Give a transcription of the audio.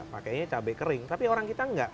pakainya cabai kering tapi orang kita enggak